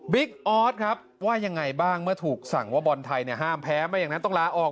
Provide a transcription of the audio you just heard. ออสครับว่ายังไงบ้างเมื่อถูกสั่งว่าบอลไทยห้ามแพ้ไม่อย่างนั้นต้องลาออก